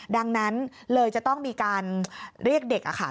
ดังนั้นเลยจะต้องมีการเรียกเด็ก